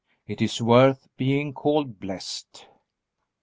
It is worth being called blessed.